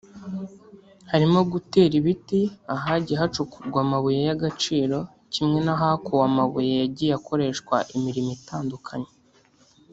harimo gutera ibiti ahagiye hacukurwa amabuye y’agaciro kimwe n’ahakuwe amabuye yagiye akoreshwa imirimo itandukanye